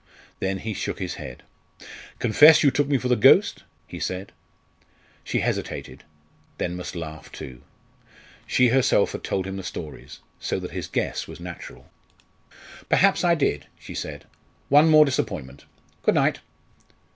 Then he shook his head. "Confess you took me for the ghost?" he said. She hesitated; then must laugh too. She herself had told him the stories, so that his guess was natural. "Perhaps I did," she said. "One more disappointment! Good night."